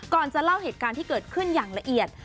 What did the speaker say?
จะเล่าเหตุการณ์ที่เกิดขึ้นอย่างละเอียด